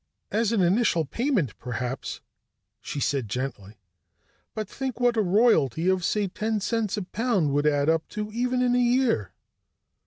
"As an initial payment, perhaps," she said gently. "But think what a royalty of, say, ten cents a pound would add up to even in a year."